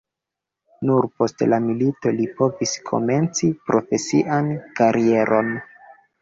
Nur post la milito li povis komenci profesian karieron.